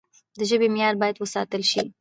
د ژبي معیار باید وساتل سي.